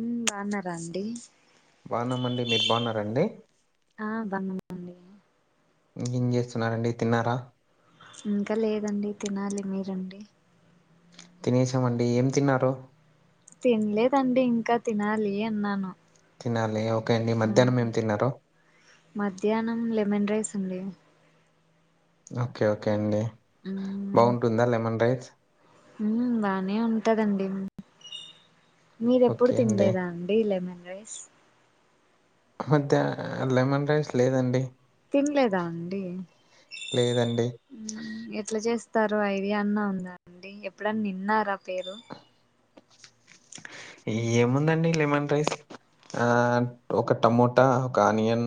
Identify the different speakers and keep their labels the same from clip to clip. Speaker 1: ఉ బాగున్నారా అండి
Speaker 2: బావున్నామండి మీరు బావున్నారండి
Speaker 1: ఆ బాగున్నాం
Speaker 2: ఏం చేస్తున్నారండి తిన్నారా
Speaker 1: ఇంకా లేదండి తినాలి మీరండి
Speaker 2: తినేసామండి ఏం తిన్నారు
Speaker 1: తినలేదండి ఇంకా తినాలి అన్నాను
Speaker 2: తినాలి ఓకే అండి
Speaker 1: ఆ
Speaker 2: మధ్యానం ఏం తిన్నారు
Speaker 1: మధ్యాహ్నం లెమన్ రైస్ అండి
Speaker 2: ఓకే ఓకే అండి బాగుంటుందా లెమన్ రైస్
Speaker 1: ఉమ్మ్ బానే ఉంటదండి మీర ఎప్పుడు తినలేదా అండి లెమన్ రైస్
Speaker 2: మధ్య లెమన్ రైస్ లేదండి
Speaker 1: తినలేదా అండి
Speaker 2: లేదండి
Speaker 1: ఊ ఎట్లా చేస్ ఇస్తారు ఐడియా అన్నా ఉందండి ఎప్పుడన్న విన్నారా పేరు
Speaker 2: ఏముందండి లెమన్ రైస్ ఆ ఒక టమోటా ఒక ఆనియన్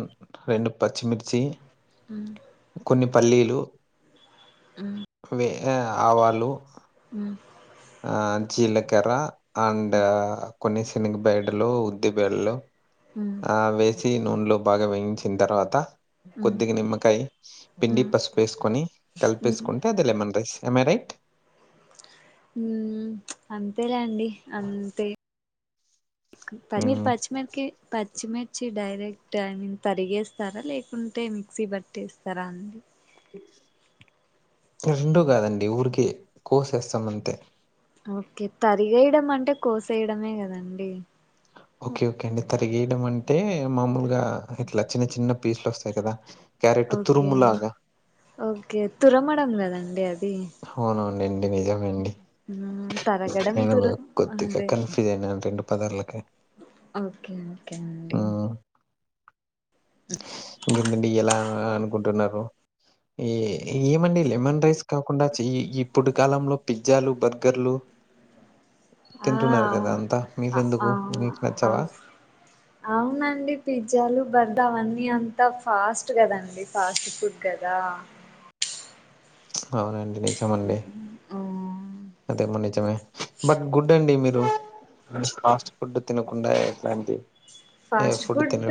Speaker 2: రెండు పచ్చిమిర్చి
Speaker 1: మ్మ్
Speaker 2: కొన్ని పల్లీలు ఆవాళు
Speaker 1: మ్మ్
Speaker 2: ఆ జీలకర్ర అండ్ కొన్ని శనగ బేడలు ఉద్ది బెల్లు
Speaker 1: మ్మ్
Speaker 2: ఆ వేసి నూనెలో బాగా వేయించిన తర్వాత
Speaker 1: మ్మ్
Speaker 2: కొద్దిగా నిమ్మకాయ పిండి పసుపు వేసుకొని
Speaker 1: మ్మ్ మ్మ్
Speaker 2: కలిపేసుకుంటే అది లెమన్ రైస్ ఏం మరి
Speaker 1: మ్మ్ అంతేలే అండి అంతే మీరు
Speaker 2: హ్మ్.
Speaker 1: పచ్చిమిరక్కాయ్ పచ్చిమి మిర్చి డైరెక్ట్ ఏ తరిగేస్తారా లేకుంటే మిక్సీ బట్టేస్తారా అండి
Speaker 2: రెండూ కాదండి ఊరికే కోసేస్తామంతే
Speaker 1: ఓకే తరిగేయడం అంటే కోసేయడమే కదండి
Speaker 2: ఓకే ఓకే అండి తరిగేయడం అంటే మామూలుగా ఇట్లా చిన్న చిన్న పీస్లు వస్తాయి కదా క్యారెట్
Speaker 1: ఓకే
Speaker 2: తురుములాగా.
Speaker 1: ఓకే తురమడం లేదండి అది
Speaker 2: అవును అవునులెండి నిజమే అండి
Speaker 1: మ్ తరగడం
Speaker 2: నేను
Speaker 1: తుర
Speaker 2: ఒక కొద్దిగా
Speaker 1: అదే
Speaker 2: కన్ఫ్యూజ్ అయినాను రెండు పదర్లకీ
Speaker 1: ఓకే ఓకే అండి
Speaker 2: ఇంకేంటాండిఇయాల అనుకుంటున్నారు ఎం ఏమండి లెమన్ రైస్ కాకుండా చెయ్యి ఇప్పుడు కాలంలో పిజ్జాలు బర్గర్లు
Speaker 1: ఆ
Speaker 2: తింటున్నారు కదా అంతా
Speaker 1: అ
Speaker 2: మీకెందుకు
Speaker 1: అవును
Speaker 2: మీకు నచ్చవా
Speaker 1: అవు అవునండి పిజ్జాలు బర్దా అవన్నీ ఇవంతా ఫాస్ట్ కదండి ఫాస్ట్ ఫుడ్ కదా
Speaker 2: అవునా
Speaker 1: ఆ ఓ
Speaker 2: అదేమో నిజమే బట్ గుడ్ అండి మీరు ఫాస్ట్ ఫుడ్ తినకుండా ఎట్లాంటి
Speaker 1: ఫాస్ట్ ఫుడ్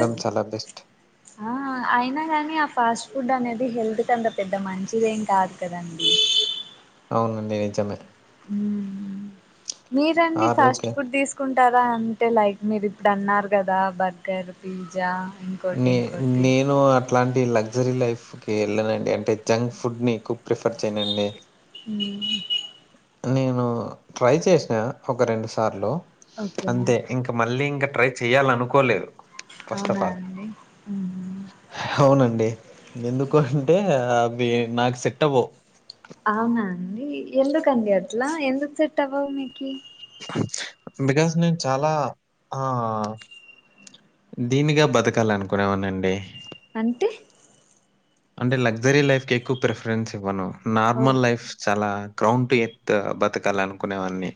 Speaker 1: ఆ అయినా గాని ఆ ఫాస్ట్ ఫుడ్ అనేది ఇది హెల్త్ కంతా అంత పెద్ద మంచిదేం కాదు కదండి
Speaker 2: అవునండి నిజమే
Speaker 1: మీరు అండి ఫాస్ట్
Speaker 2: ఆరోగ్య
Speaker 1: ఫుడ్ తీసుకుంట కుంటార అంటే లైక్ మీరు ఇప్పుడు అన్నారు కదా బర్గర్ పిజ్జా ఇంకోటి
Speaker 2: నే
Speaker 1: ఇంకోటి
Speaker 2: నేను అట్లాంటి లా లగ్జరీ లైఫ్ కి వెళ్ళనండి అంటే జంక్ ఫుడ్ ని ఎక్కువ ప్రిఫర్ చేయనండి
Speaker 1: అవునా
Speaker 2: నేను ట్రై చేసినా ఒక రెండు సార్లు
Speaker 1: ఓకే
Speaker 2: అంతే ఇంక మళ్ళీ ఇంక ట్రై చేయాలనుకోలేదు ఫస్ట్
Speaker 1: అవునా
Speaker 2: ఆఫ్ ఆల్
Speaker 1: అండి మ్మ్.
Speaker 2: అవునండి ఎందుకు అంటే అవి నాకు సెట్ అవ్వవు
Speaker 1: అవునా అండి ఎందుకండి అట్లా ఎందుకు సెట్ అవ్వావు మీకు
Speaker 2: బికాస్ నేను చాలా ఆ దీనిగా బతకల్ల అనుకునేవాడినండి
Speaker 1: అంటే
Speaker 2: అంటే లగ్జరీ లైఫ్ కి ఎక్కువ ప్రిఫరెన్స్ ఇవ్వను నార్మల్
Speaker 1: ఓకే
Speaker 2: లైఫ్ చాలా క్రౌంప్ ఎత్ బతకళ్ళ అనుకునేవని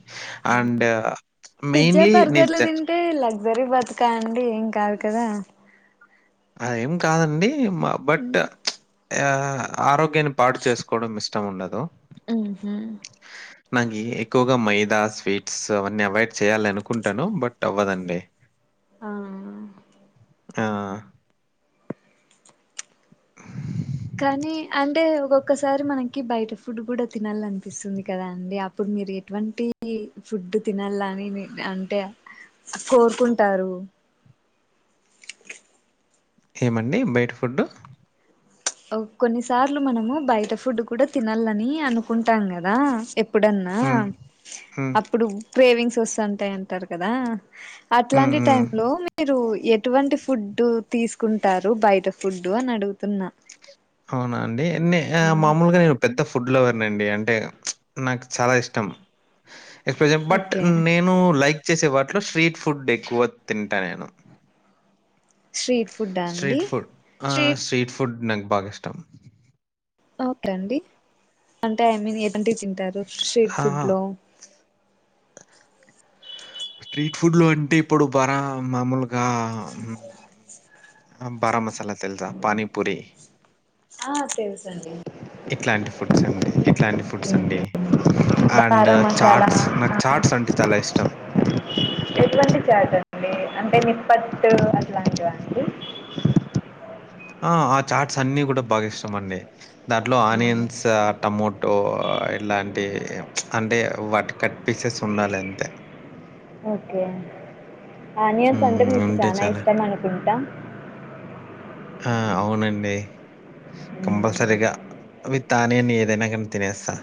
Speaker 1: పిజ్జా
Speaker 2: నేను
Speaker 1: బర్గర్లు
Speaker 2: జ
Speaker 1: తింటే లగ్జరీ బతుక అండి ఏం కాదు కదా
Speaker 2: అదేం కాదండి బట్ ఆ ఆరోగ్యాన్ని పాడు చేసుకోవడం ఇష్టం ఇష్టం ఉండదు
Speaker 1: ఉహు
Speaker 2: నాకు ఎక్కువగా మైదా స్వీట్స్ అవన్నీ అవాయిడ్ చేయాలి అనుకుంటాను బట్ అవ్వదండి
Speaker 1: ఆ
Speaker 2: ఆ
Speaker 1: కానీ అంటే ఒకోక్కసారి మనకి బయట ఫుడ్ కూడా తినాల అనిపిస్తుంది కదా అండి అప్పుడు మీరు ఎటువంటి ఫుడ్ తినాలని అంటే కోరుకుంటారు
Speaker 2: ఏమండి బయట ఫుడ్డు
Speaker 1: కొన్నిసార్లు మనము బయట ఫుడ్ కూడా తినాలని అనుకుంటాం కదా ఏప్ ప్పుడన్నా
Speaker 2: హ్మ్. హ్మ్.
Speaker 1: అప్పుడు గ్రేవింగ్స్ వస్తుంటాయి అంటారు కదా
Speaker 2: హ్మ్.
Speaker 1: అట్లాంటి టైం
Speaker 2: హ్మ్.
Speaker 1: లో మీరు ఎటువంటి ఫుడ్డు తీసుకుంటారు బయట ఫుడ్డు అని అడుగుతున్నా
Speaker 2: అవునా అండి న
Speaker 1: ఆ,
Speaker 2: మామూలుగా నేను పెద్ద ఫుడ్ లవ్ నండి అంటే నాకు చాలా ఇష్టం ఎక్స్ప్రెషన్ బట్
Speaker 1: ఓకే
Speaker 2: నేను లైక్ వచ్చేసే వాటిలో స్ట్రీట్ ఫుడ్ ఎక్కువ తింటా నేను
Speaker 1: స్ట్రీట్ ఫుడ్ అండి
Speaker 2: స్ట్రీట్ ఫుడ్ ఆ స్ట్రీట్ ఫుడ్ నాకు బాగా ఇష్టం
Speaker 1: [unintelligible] అండి అంటే ఐ మీన్ [unintelligible] టరు స్ట్రీట్
Speaker 2: ఆ!
Speaker 1: ఫుడ్ లో
Speaker 2: స్ట్రీట్ ఫుడ్లో అంటే ఇప్పుడు బరా మామూలుగా మ్ బారం మసాలా తెల్సా పనీీపూరి
Speaker 1: ఆ తెలుసండి
Speaker 2: ఇట్లాంటి ఫుడ్స్ అండి ఇట్లాంటి ఫుడ్స్ అండి అండ్
Speaker 1: బారా మసాలా
Speaker 2: చాట్స్ నాకు చాట్స్ అంటే చాలా ఇష్టం
Speaker 1: ఎటువంటి చేట్స్ అండి అంటే నిప్పట్ అట్లాంటివ అండి
Speaker 2: ఆ ఆ చాట్స్ అన్నిీ కూడా బాగా ఇష్టం అండి దాంట్లో
Speaker 1: ఆ
Speaker 2: ఆనియన్స్ టమోటో ఇలాంటి అంటే వట్ కట్ పీసెస్ ఉండాలి అంతే
Speaker 1: ఓకే ఆనియన్స్ అంటే
Speaker 2: హ్మ్.
Speaker 1: మీకు
Speaker 2: ఉంటే
Speaker 1: చనా
Speaker 2: చాలా.
Speaker 1: ఇష్టం అనుకుంటా
Speaker 2: ఆ! అవునండి కంపల్సరిగా విత్ ఆనియన్ ఏదైనా కని తినేస్తా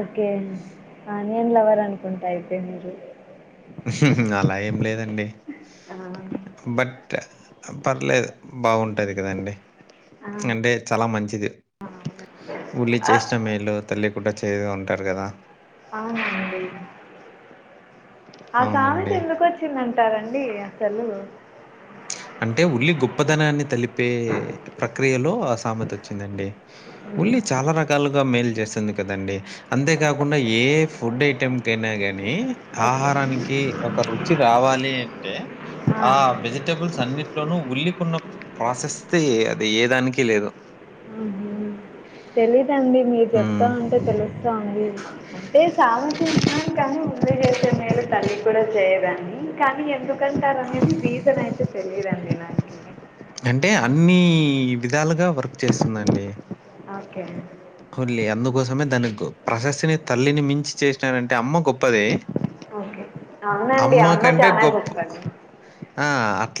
Speaker 1: ఓకే ఆనియన్ లవర్ అనుకుంటా అయితే మీరు
Speaker 2: అలా ఏం లేదండి
Speaker 1: ఆ
Speaker 2: బట్ పర్లేదు బాగుంటది కదండి అంటే చాలా మంచిది ఊళ్ళి
Speaker 1: ఆ
Speaker 2: చేసిన మేలు తల్లి కూడా చేయ ఉంటారు కదా
Speaker 1: అవునండి ఆ సామెత
Speaker 2: అవునండి.
Speaker 1: ఎందుకు వచ్చిందంటారండి అసలు
Speaker 2: అంటే ఉల్లి గొప్పదనాన్ని తలిపే ప్రక్రియలో అసామేత వచ్చిందండి ఉల్లి చాలా రకాలుగా మేల్ చేస్తుంది కదండి అంతేకాకుండా ఏ ఫుడ్ ఐటెం కైనా గాని
Speaker 1: ఓకే
Speaker 2: ఆహారానికి ఒక రుచి రావాలి అంటే ఆ వెజిటేబుల్స్ అన్నిట్లోనూ ఉల్లికున్న ప్రాసెస్తి అది ఏదానికి లేదు
Speaker 1: హుహు. తెలీదండి మీరు
Speaker 2: హ్మ్.
Speaker 1: చెప్తాంటే తెలుస్తాంది అంటే సామే కానీ ఉల్లి చేసే మేలు తల్లి కూడా చేయదని కానీ ఎందు కంటారనేది రీజన్ అయితే తెలిదండి నాకి
Speaker 2: అంటే అన్నిీ విధాలుగా వర్క్ చేస్తుందండి
Speaker 1: ఓకే
Speaker 2: కోసమే దానికి ప్రశస్తిని తల్లిని మించి చేసినారంటే అమ్మ గొప్పదే
Speaker 1: ఓకే అవునండి అమ్మ చానా
Speaker 2: గొప్ప
Speaker 1: గొప్పది
Speaker 2: ఆ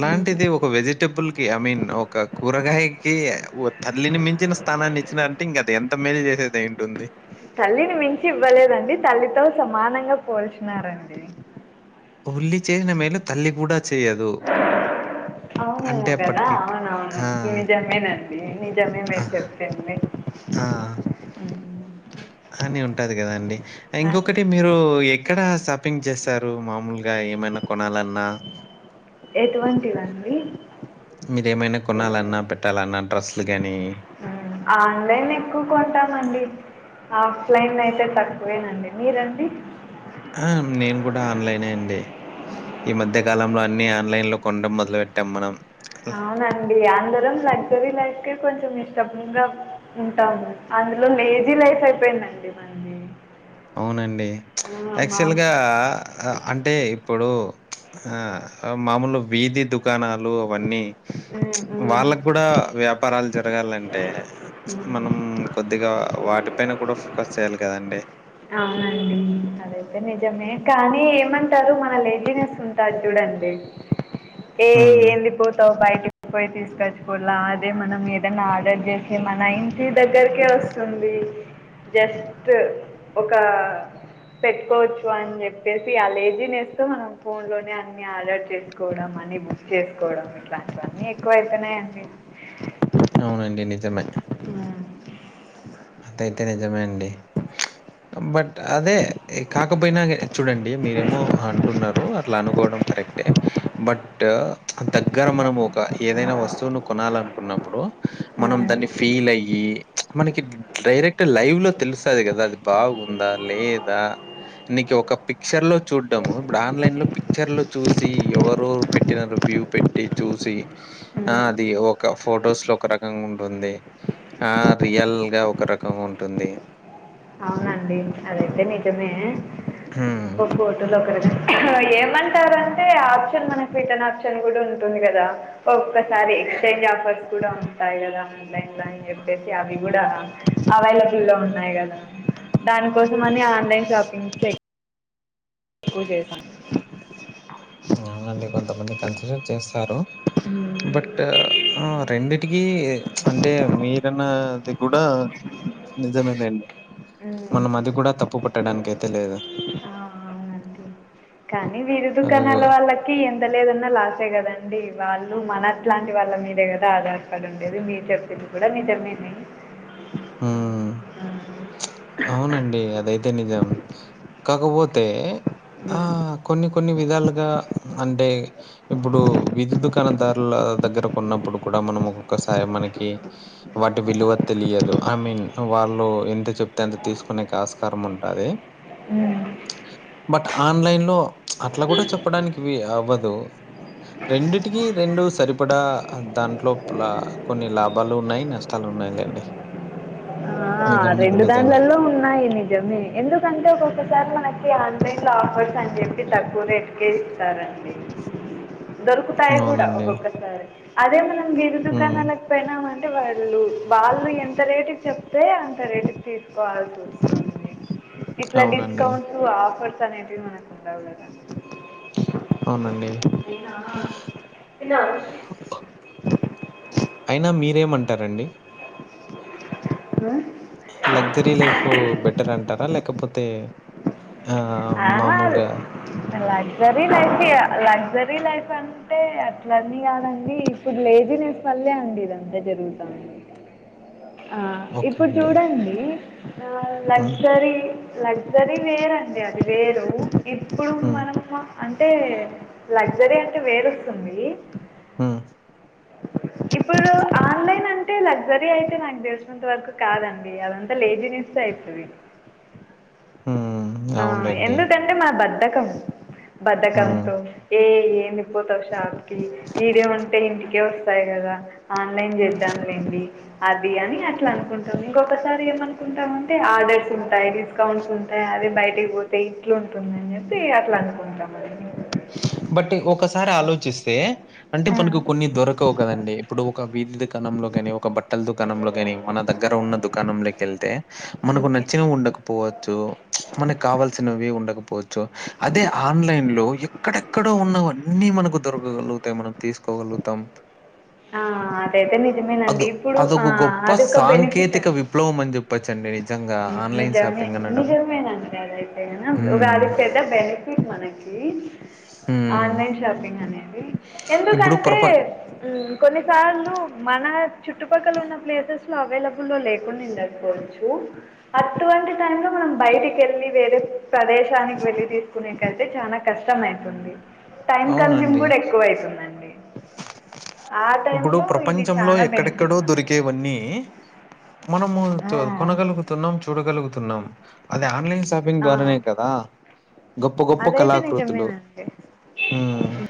Speaker 1: హ్మ్.
Speaker 2: ఒక వెజి టెబుల్ కి ఐ మీన్ ఒక కూరగాయకి తల్లిని మించిన స్థానాన్ని ఇచ్చినారంటే ఇంకా అది ఎంత మేలు చేసేది అయ్యుంటుంది
Speaker 1: తల్లిని మించి ఇవ్వలేదండి తల్లితో సమానంగా పోల్చినారండి
Speaker 2: ఉల్లి చేసిన మేలు తల్లి కూడా చేయదు.
Speaker 1: అవునేమో
Speaker 2: అంటే
Speaker 1: కదా
Speaker 2: అప్పటికి
Speaker 1: అవును అవును
Speaker 2: ఆ!
Speaker 1: నిజమేనండి నిజమే
Speaker 2: ఆ!
Speaker 1: మీరు చెప్పింది
Speaker 2: ఆ
Speaker 1: హ్మ్.
Speaker 2: కానీ ఉంటాది కదా అండి
Speaker 1: ఆ!
Speaker 2: ఇంకొకటి మీరు. ఎక్కడ షాపింగ్ చేస్తారు మామూలుగా ఏమైనా కొనాలన్నా.
Speaker 1: ఎటువంటిది అండి
Speaker 2: మీరేమైనా కొనాలన్నా పెట్టాలన్నా డ్రస్సులు గానీ.
Speaker 1: మ్మ్. ఆన్లైన్ నేనైతే [inaudible] అయితే తక్కువేనండి మీరండి.
Speaker 2: ఆ నేను కూడా ఆన్లైనే అండి. ఈ మధ్య కాలంలో అన్ని ఆన్లైన్ లో కొనడం మొదలు పెట్టాం మనం.
Speaker 1: అవునండి అందరం లగ్జరీ లైఫ్ కే కొంచం. కొంచం ఇష్టంగా ఉంటాము అందులో లేజీ లైఫ్ అయిపోయిందండి మంది.
Speaker 2: అవునండి. యాక్చువల్ గా అంటే ఇప్పుడు ఆ. మామూలు వీధి దుకాణాలు అవన్నీ.
Speaker 1: ఉమ్, ఉమ్,
Speaker 2: వాళ్ళకు కూడా వ్యాపారాలు జరగాలంటే. మనం కొద్దిగా వాటి పైన కూడా ఫోకస్ చేయాలి కదాండి.
Speaker 1: అవునండి అదైతే నిజమే కానీ ఏమంటారు మన లేజీనెస్ ఉంటాది చూడండి ఏ
Speaker 2: హ్మ్.
Speaker 1: ఏంది పోతావు బయటకి. పోయి తీసుకొచ్చుకులా అదే మనం ఏదైనా ఆర్డర్ చేసే మన ఇంటి దగ్గరకే వస్తుంది. జస్ట్ ఒక. పెట్టుకోవచ్చు అని చెప్పేసి ఆ లేజినెస్ తో మనం ఫోన్ లోనే అన్ని అలర్ట్ చేసుకోవడం అని. అని బుక్ చేసుకోవడం ఇట్లాంటివన్నీ ఎక్కువ అవుతున్నాయండి.
Speaker 2: అవునండి నిజమే. అది అయితే నిజమే అండి. బట్ అదే కాకపోయినా చూడండి మీరేమో అంటున్నారు అట్లా అనుకోవడం కరెక్ట్. బట్ దగ్గర మనం ఒక ఏదైనా వస్తువును కొనాలనుకున్నప్పుడు. మనం దాన్ని ఫీల్ అయ్యి మనకి. డైరెక్ట్ లైవ్ లో తెలుస్తాది కదా అది బాగుందా లేదా. నీకు ఒక పిక్చర్ లో చూడ్డము ఇప్పుడు ఆన్లైన్ లో పిక్చర్ లో చూసి ఎవరెవరు పెట్టినారు. వ్యూ పెట్టి చూసి ఆ అది ఒక ఫొటోస్ లో ఒక రకంగా ఉంటుంది. ఆ రియల్ గా ఒక రకంగా ఉంటుంది.
Speaker 1: అవునండి అదైతే నిజమే
Speaker 2: హ్మ్.
Speaker 1: ఒక్క ఫోటలో ఒక రకంగా. ఏమంటారంటే ఆప్షన్ మనకి రిటర్న్ ఆప్షన్ కూడా ఉంటుంది కదా ఒక్కోసారి. ఆఫర్స్ కూడా ఉంటాయి కదా ఆన్లైన్ లో అని చెప్పేసి అవి కూడా అవైలబుల్ లో ఉన్నాయి. కదా దానికోసం అని ఆన్లైన్ షాపింగ్ చెయ. ఓ చేస్తాం
Speaker 2: అవునండి కొంతమంది కన్సిడర్ చేస్తారు
Speaker 1: ఉమ్,
Speaker 2: బట్ రెండిటికి. అంటే మీరన్నది కూడా నిజమేదండి.
Speaker 1: ఉమ్.
Speaker 2: మనం అది కూడా తప్పు పట్టడానికయితే లేదు.
Speaker 1: ఆ అవునండి కానీ వీరి
Speaker 2: అదొక
Speaker 1: దుకాణాల వాళ్ళకి లేదన్నా లాసే కదండి వాళ్ళు మన అట్లాంటి వాళ్ళ మీదే కదా ఆధారపడి ఉండేది మీరు చెప్పేది అది కూడా నిజమే
Speaker 2: హ్మ్.
Speaker 1: హ్మ్.
Speaker 2: అవునండి అదైతే నిజం కాకపోతే ఆ
Speaker 1: ఉమ్.
Speaker 2: కొన్ని కొన్ని విధాలుగ అంటే ఇప్పుడు విధి దుకాణదారుల దగ్గరకు ఉన్నప్పుడు కూడ మనం ఒక్క ఒక్కసారి మనకి వాటి విలువ తెలియదు ఐ మీన్ వాళ్ళు ఎంత చె అంత తీసుకునేకి ఆస్కారం ఉంటాది. బట్ ఆన్లైన్ లో అట్ల కూడా చెప్పడానికి అవ్వదు. రెండిటికి రెండు సరిపడా దాంట్లో కొన్ని లాభాలు ఉన్నాయి నష్టాలు ఉ నాయ్ లెండి
Speaker 1: ఆ.
Speaker 2: మీకు
Speaker 1: అలలో ఉన్నాయి నిజమే ఎందుకంటే ఒకొక్కసారి మనకి ఆన్లైన్ లో ఆఫర్స్ అని చెప్పి తక్కువ రేట్కే ఇస్తారండి దొరుకుతాయి కూడ
Speaker 2: అవునండి.
Speaker 1: ఒక్కొక్కసారి అదే గిరి
Speaker 2: హ్మ్.
Speaker 1: దుకాణాలకు పోయినామ అంటే వాళ్ళు వాళ్ళు ఎంత రేటు చెప్తే తీసుకోవాల్ ఇట్లా
Speaker 2: అవునండి.
Speaker 1: డిస్కౌంట్స్ ఆఫర్ [unintelligible] మనకు ఉండవులే
Speaker 2: అవునండి.
Speaker 1: ఇ
Speaker 2: అయినా మీరేమంటారండి
Speaker 1: ఆ
Speaker 2: లగ్జరీ లైఫ్ బెటర్ అంటార లేకపోతే ఆహ్,
Speaker 1: ఆ
Speaker 2: మామూలుగా
Speaker 1: ల ల్జరీ లైఫ్ లగ్జరీ లైఫ్ అంటే అట్లని కాదండి ఇప్పుడు లేజి నేస్ల్ వల్లే అండి జరగుతుంది ఆ
Speaker 2: ఓకే
Speaker 1: ఇప్పుడు
Speaker 2: అండి.
Speaker 1: చూడండి ఆ
Speaker 2: హ్మ్.
Speaker 1: లక్సరీ లగ్జరీ వేరండి అది వేరు ఇప్పుడు
Speaker 2: హ్మ్.
Speaker 1: మనం అంటే లగ్జరీ అంటే వేరొస్తుంది
Speaker 2: హు
Speaker 1: ఇప్పుడు ఆన్లైన్ అంటే లగ్జరీ అయితే నాకు తెలిసినంత వరకు కాదండి అదంతా లేజీనెస్ అవుతుంది
Speaker 2: హు
Speaker 1: ఆ ఎందుకంటే [unintelligible] బద్దకం
Speaker 2: హ్మ్.
Speaker 1: బధకంతో ఏ ఏమిపోత షాప్ కి ఇదే ఉంటే ఇంటికే కదా ఆన్లైన్ చేద్దామ్ లెండి అది అని అట్లా అనుకుంటుంది ఇంకొకసారి ఏమను ఉంటే ఆర్డర్స్ ఉంటాయి డిస్కౌంట్స్ ఉంటాయి అదే బయటి పోతే ఇట్లుంటుందని చెప్పి అట్లా అనుకుంటాం అం
Speaker 2: బట్ ఒకసారి ఆలోచిస్తే అంటే
Speaker 1: ఆ
Speaker 2: మనకు కొన్ని దొరకవు కదండి ఇప్పుడు ఒక వీధి దుకాణంలో గాని ఒక బట్టల దుకాణంలో గాని మన దగ్గర ఉన్న దుకాణంలోకి వెళ్తే మనకు
Speaker 1: ఓకే
Speaker 2: నచ్చనవి ఉండకపో మనకి కావాల్సినవి ఉండకపోవచ్చు అదే ఆన్లైన్ లో ఎక్కడెక్కడో ఉన్నవన్నీ మనకు దొరకగలుగుతాయి మనం తీసుకోగలుగుతాం
Speaker 1: ఆ అదైతే
Speaker 2: అదో
Speaker 1: నిజమేనండి ఇప్పుడు ఆ
Speaker 2: అదొక గొప్ప
Speaker 1: అదొక బెనిఫిట్
Speaker 2: సాంకేతిక
Speaker 1: అండి
Speaker 2: విప్లవం అని చెప్
Speaker 1: నిజమే నిజమేనండి అదైతే ఒక
Speaker 2: హ్మ్.
Speaker 1: అది పెద్ద బెనిఫిట్ మనకి ఈ
Speaker 2: హ్మ్.
Speaker 1: ఆన్లైన్ షాపింగ్ అనేది
Speaker 2: ఇప్పుడు
Speaker 1: ఎందుకంటే
Speaker 2: ప్రప
Speaker 1: కొన్నిసార్లు మన చుట్టుపక్కల ఉన్న ప్లేసెస్ లో అవైలబుల్లో లేంకున్నిన్నడకపోవచ్చు అటువంటి టై లో మనం బయటికి వెళ్ళి వేరే ప్రదేశానికి వెళ్ళి తీసుకునేకంటే చాలా కష్టం కష్టం అవుతుంది టైం కన్స్యూమ్
Speaker 2: అవునండి
Speaker 1: కూడా ఎక్కువ అవుతుందండి ఆ
Speaker 2: ఇప్పుడు
Speaker 1: టైంలో ఇది
Speaker 2: ప్రపంచంలో
Speaker 1: చాలా బెనిఫిట్
Speaker 2: ఎక్కడెక్కడో
Speaker 1: మనకి
Speaker 2: దొరికేవన్నీ మనము
Speaker 1: ఆ,
Speaker 2: కొనగలుగుతున్నాం చూడగలుగుతున్నాం అంటే ఆన్లైన్ షాపింగ్
Speaker 1: ఆ,
Speaker 2: ద్వారానే కదా గొప్ప గొప్ప
Speaker 1: అదైతే
Speaker 2: కళాకృతులు
Speaker 1: నిజమేనండి